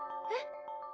えっ？